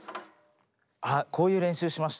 あっこういう練習しました。